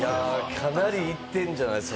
かなりいってるんじゃないですか？